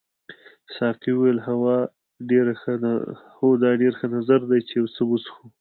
ساقي وویل هو دا ډېر ښه نظر دی چې یو څه وڅښو.